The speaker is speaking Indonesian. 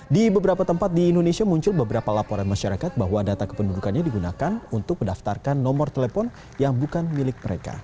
di beberapa tempat di indonesia muncul beberapa laporan masyarakat bahwa data kependudukannya digunakan untuk mendaftarkan nomor telepon yang bukan milik mereka